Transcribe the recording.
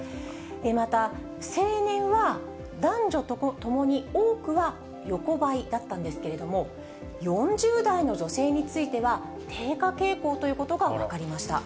また成年は、男女ともに多くは横ばいだったんですけれども、４０代の女性については、低下傾向ということが分かりました。